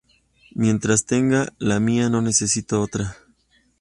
Mientras tenga la mía, no necesito otra".